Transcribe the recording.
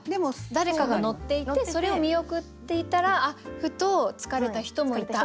誰かが乗っていてそれを見送っていたらふと疲れた人もいた。